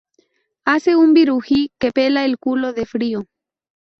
Hace un biruji que pela el culo de frío